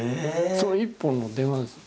その一本の電話なんです。